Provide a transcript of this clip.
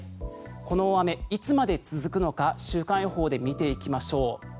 この大雨いつまで続くのか週間予報で見ていきましょう。